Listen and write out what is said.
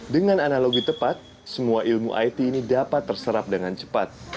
dengan analogi tepat semua ilmu it ini dapat terserap dengan cepat